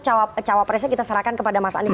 cawapresnya kita serahkan kepada mas anies